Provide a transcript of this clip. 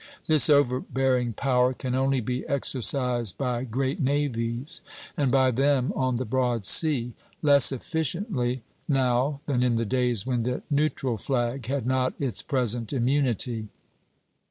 This overbearing power can only be exercised by great navies, and by them (on the broad sea) less efficiently now than in the days when the neutral flag had not its present immunity.